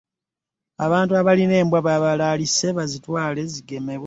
Abantu abalina embwa babalaalise bazitwale zigemebwe.